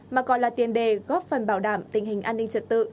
mà còn là tiền đề góp phần bảo đảm tình hình an ninh trật tự